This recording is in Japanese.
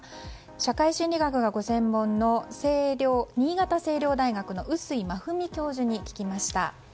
社会心理学がご専門の新潟青陵大学の碓井真史教授に聞きました。